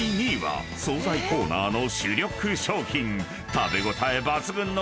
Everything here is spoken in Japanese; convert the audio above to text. ［食べ応え抜群の］